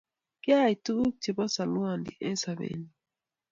Kiayay tuguk chebo salwondi eng' sobenyu